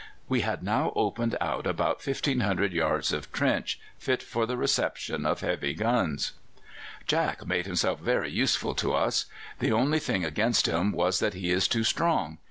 We had now opened out about 1,500 yards of trench fit for the reception of heavy guns. "'Jack' made himself very useful to us. The only thing against him was that he is too strong.